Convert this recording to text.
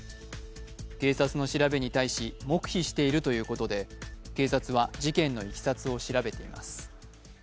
警察の調べに対し黙秘しているということで警察は事件のいきさつを調べています。